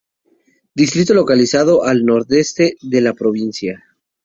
Distrito localizado al nordeste de la provincia.